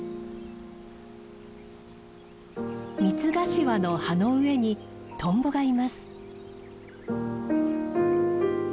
ミツガシワの葉の上にトンボがいます。